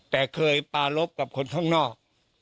แต่เคยปารพกับคนข้างนอก